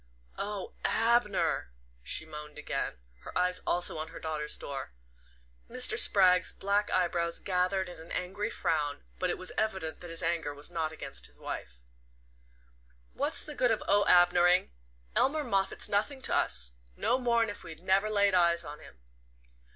"Oh, Abner," she moaned again, her eyes also on her daughter's door. Mr. Spragg's black eyebrows gathered in an angry frown, but it was evident that his anger was not against his wife. "What's the good of Oh Abner ing? Elmer Moffatt's nothing to us no more'n if we never laid eyes on him."